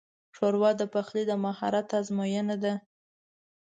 ښوروا د پخلي د مهارت ازموینه ده.